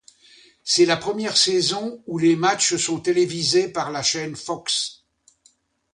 C'est la première saison où les matchs sont télévisés par la chaîne Fox.